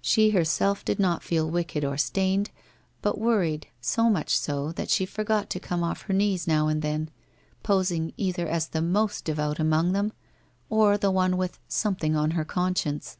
She herself did not feel wicked or stained, but worried, so much so that she forgot to come off her knees now and then, posing either as the most devout among them all, or the one with ' something on her conscience.'